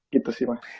gitu sih mas